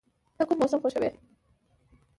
ته کوم موسم خوښوې؟